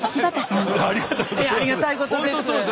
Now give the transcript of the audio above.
ありがたいことです。